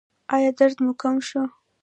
ایا درد مو کم شو؟